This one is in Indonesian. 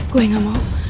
gue gak mau